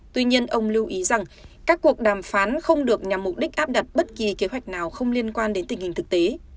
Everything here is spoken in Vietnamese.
tuy nhiên ông lưu ý rằng các cuộc đàm phán không được nhằm mục đích áp đặt bất kỳ kế hoạch nào không liên quan đến tình hình thực tế